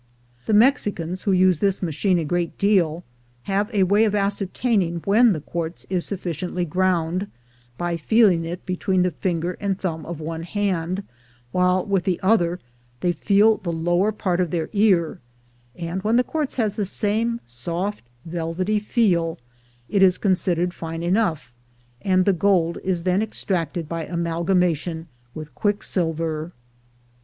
The Mexicans, who use this machine a great deal, have a way of ascertaining when the quartz is sufficiently ground, by feeling it between the finger and thumb of one hand, while with the other they feel the lower part of their ear; and when the quartz has the same soft velvety feel, it is consid ered fine enough, and the gold is then extracted by amalgamation with quicksilver.